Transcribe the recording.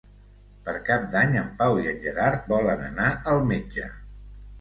Per Cap d'Any en Pau i en Gerard volen anar al metge.